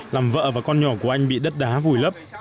làm vợ và con nhỏ của anh bị đất đá vùi lấp